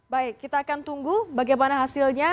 baik kita akan tunggu bagaimana hasilnya